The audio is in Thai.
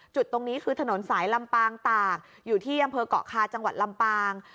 จุดตรงนี้คือถนนสายลำปางตากอยู่ที่อำเภอกเกาะคาจังหวัดลำปาง